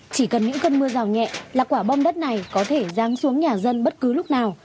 chỉ cần những cơn mưa rào nhẹ là quả bom đất này có thể ráng xuống nhà dân bất cứ lúc nào